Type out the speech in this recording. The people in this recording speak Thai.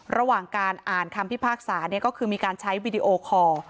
ระหว่างการอ่านคำพิพากษาก็คือมีการใช้วิดีโอคอร์